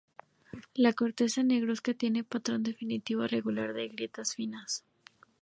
La corteza negruzca tiene un patrón distintivo regular de grietas finas.